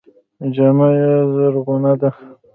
جامه یې زرغونه ده.